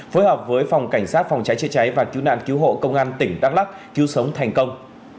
phối hợp với phòng cảnh sát phòng cháy chế cháy và cứu nạn cứu hộ công an tỉnh đắk lắc cứu sống thành công